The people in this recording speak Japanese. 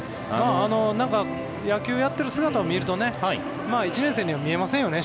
野球やってる姿を見ると１年生には見えませんよね。